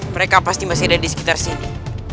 mereka pasti masih ada di sekitar sini